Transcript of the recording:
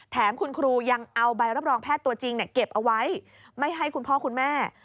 แถมคุณครูยังเอาใบรับรองแพทย์ตัวจริงเก็บเอาไว้ไม่ให้คุณพ่อคุณแม่